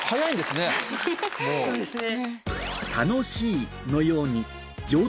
そうですね。